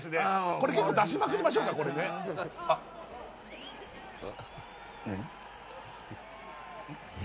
これ結構出しまくりましょうかこれねあっ何？